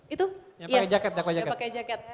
itu yang pakai jaket